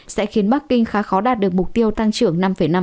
sẽ khiến bắc kinh khá khó đạt được mục tiêu tăng trưởng năm năm